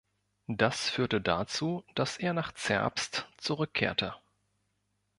Das führte dazu, dass er nach Zerbst zurückkehrte.